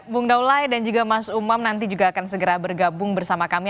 bung daulai dan juga mas umam nanti juga akan segera bergabung bersama kami